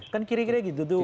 kan kira kira gitu tuh